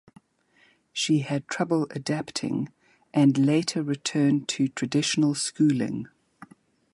She had trouble adapting and later returned to traditional schooling.